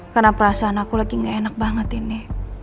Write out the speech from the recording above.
karena perasaan aku lagi gak enak banget ini